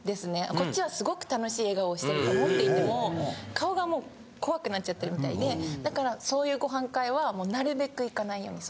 こっちはすごく楽しい笑顔をしてると思っていても顔がもう怖くなっちゃってるみたいでだからそういうご飯会はなるべく行かないように。